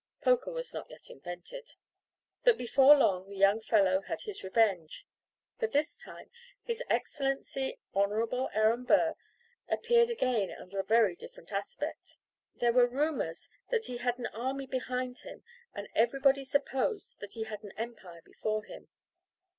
Poker was not yet invented. But before long the young fellow had his revenge. For this time His Excellency, Honourable Aaron Burr, appeared again under a very different aspect. There were rumours that he had an army behind him and everybody supposed that he had an empire before him.